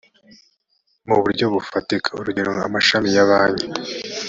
mu buryo bufatika urugero amashami ya banki